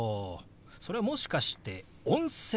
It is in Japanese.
それはもしかして「温泉」？